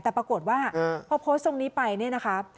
แต่ปรากฏว่าพอโพสต์ตรงนี้ไปเนี่ยนะคะ